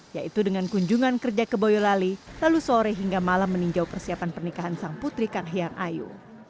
yaitu dengan kunjungan kerja ke boyolali lalu sore hingga malam meninjau persiapan pernikahan sang putri kahyang ayu